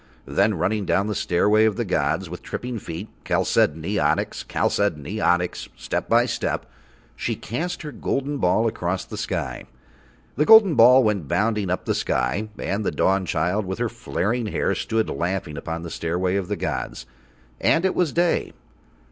Then running down the stairway of the gods with tripping feet, chalcedony, onyx, chalcedony, onyx, step by step, she cast her golden ball across the sky. The golden ball went bounding up the sky, and the Dawnchild with her flaring hair stood laughing upon the stairway of the gods, and it was day.